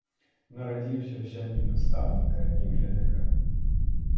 Нарадзіўся ў сям'і настаўніка і медыка.